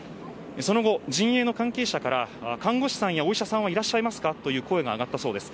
その後、陣営の関係者から看護士さんやお医者さんはいらっしゃいますかという声が上がったそうです。